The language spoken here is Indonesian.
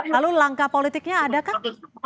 lalu langkah politiknya adakah